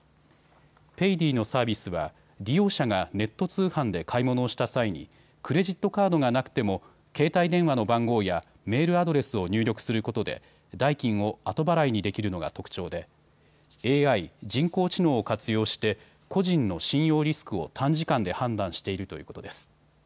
ペイディのサービスは利用者がネット通販で買い物をした際にクレジットカードがなくても携帯電話の番号やメールアドレスを入力することで代金を後払いにできるのが特徴でＡＩ・人工知能を活用して個人の信用リスクを短時間で判断しているということです。